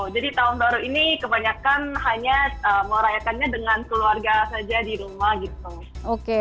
jadi tahun baru ini kebanyakan hanya merayakannya dengan keluarga saja di rumah